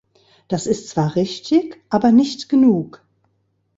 Das ist zwar richtig, aber nicht genug!